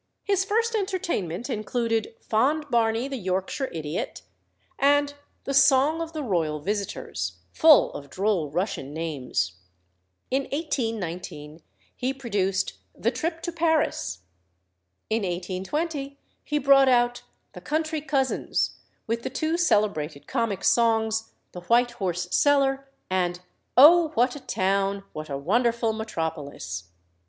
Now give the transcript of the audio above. His first entertainment included "Fond Barney, the Yorkshire Idiot" and the "Song of the Royal Visitors," full of droll Russian names. In 1819 he produced "The Trip to Paris." In 1820 he brought out "The Country Cousins," with the two celebrated comic songs, "The White Horse Cellar," and "O, what a Town! what a Wonderful Metropolis!"